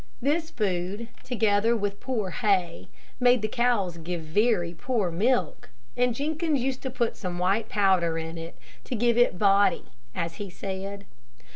This food, together with poor hay, made the cows give very poor milk, and Jenkins used to put some white powder in it, to give it "body," as he said.